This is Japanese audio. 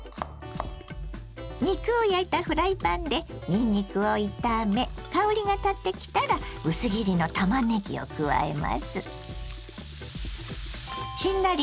肉を焼いたフライパンでにんにくを炒め香りがたってきたら薄切りのたまねぎを加えます。